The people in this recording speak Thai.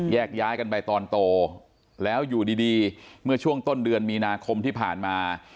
แยกย้ายกันไปตอนโตแล้วอยู่ดีเมื่อช่วงต้นเดือนมีนาคมที่ผ่านมา